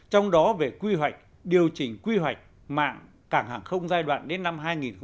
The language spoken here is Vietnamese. trong đó về quy hoạch điều chỉnh quy hoạch mạng cảng hàng không giai đoạn đến năm hai nghìn ba mươi